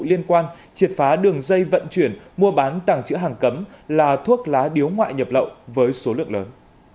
liên quan triệt phá đường dây vận chuyển mua bán tàng chữ hàng cấm là thuốc lá điếu ngoại nhập lậu với số lượng lớn